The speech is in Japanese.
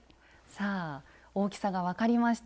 さあ大きさが分かりました。